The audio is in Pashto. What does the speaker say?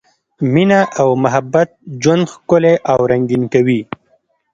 مینه او محبت ژوند ښکلی او رنګین کوي.